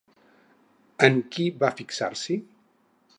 En qui va fixar-s'hi?